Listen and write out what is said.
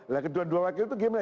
nah kedua dua wakil itu gimana